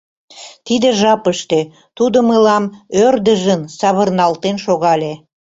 Тиде жапыште тудо мылам ӧрдыжын савырналтен шогале.